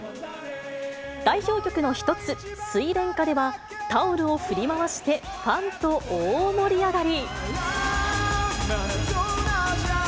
代表曲の一つ、睡蓮花では、タオルを振り回してファンと大盛り上がり。